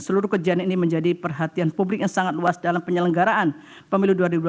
seluruh kejadian ini menjadi perhatian publik yang sangat luas dalam penyelenggaraan pemilu dua ribu dua puluh